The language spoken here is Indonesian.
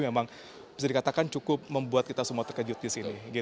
memang bisa dikatakan cukup membuat kita semua terkejut di sini